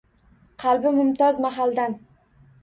Qalbi Mumtoz Mahaldan.